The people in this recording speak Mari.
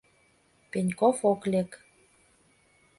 Пеньков ок лек.